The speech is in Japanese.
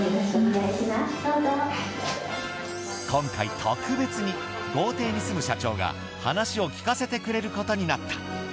今回、特別に豪邸に住む社長が話を聞かせてくれることになった。